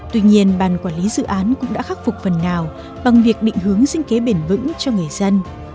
tuy nhiên bàn quản lý dự án cũng đã khắc phục phần nào bằng việc định hướng sinh kế bền vững cho người dân